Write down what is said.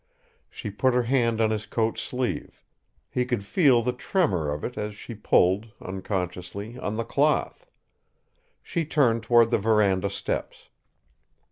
She put her hand on his coat sleeve; he could feel the tremour of it as she pulled, unconsciously, on the cloth. She turned toward the verandah steps.